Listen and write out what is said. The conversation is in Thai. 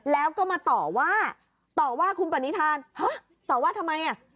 แล้วก็มาต่อว่าต่อว่าคุณปณิธานฮะต่อว่าทำไมอ่ะ